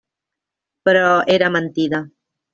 Però era mentida.